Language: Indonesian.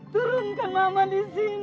turunkan mama disini